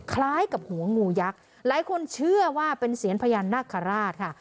คล้ายกับหัวงูยักษ์หลายคนเชื่อว่าเป็นเสียงพญานาคาราชค่ะ